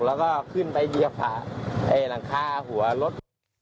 แล้วก็ขึ้นไปเหยียบหลังคาหัวรถ